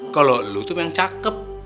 kalau lu tuh yang cakep